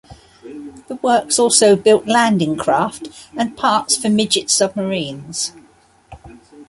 The works also built landing craft and parts for midget submarines.